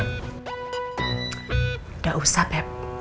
nggak usah babe